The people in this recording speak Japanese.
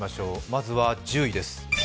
まず１０位です。